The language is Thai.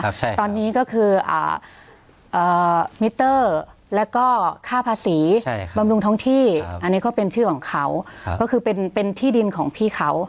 ตอนนี้ก็คือมิเตอร์แล้วก็ค่าภาษีบำรุงท้องที่อันนี้ก็เป็นชื่อของเขาก็คือเป็นที่ดินของพี่เขา